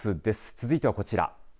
続いてはこちら。